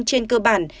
trên cơ bản